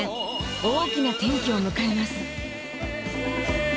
大きな転機を迎えます。